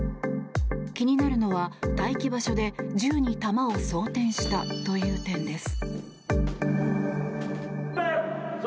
気になるのは、待機場所で銃に弾を装填したという点です。